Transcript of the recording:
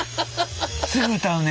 すぐ歌うね。